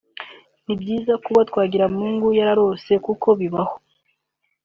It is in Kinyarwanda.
Ni byiza kuba Twagiramungu yararose kuko bibaho